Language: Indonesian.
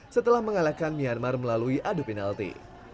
setelah mengalahkan myanmar melalui adu penalti